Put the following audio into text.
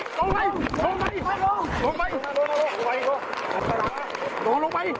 นอนลงไปไปลงไป